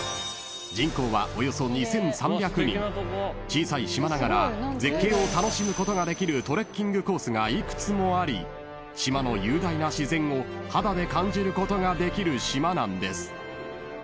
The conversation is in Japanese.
［小さい島ながら絶景を楽しむことができるトレッキングコースがいくつもあり島の雄大な自然を肌で感じることができる島なんです］